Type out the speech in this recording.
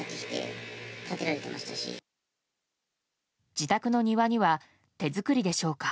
自宅の庭には手作りでしょうか。